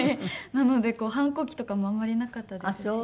なのでこう反抗期とかもあんまりなかったですし。